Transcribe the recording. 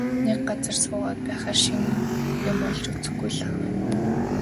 Нэг газар суугаад байхаар шинэ юм олж үзэхгүй нь лав.